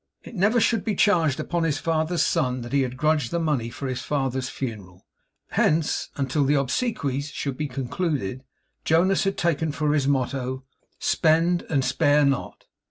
It never should be charged upon his father's son that he had grudged the money for his father's funeral. Hence, until the obsequies should be concluded, Jonas had taken for his motto 'Spend, and spare not!